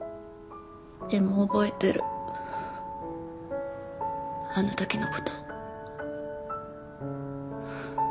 でも覚えてるあの時の事。